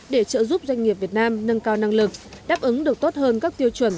để trợ giúp doanh nghiệp việt nam nâng cao năng lực đáp ứng được tốt hơn các tiêu chuẩn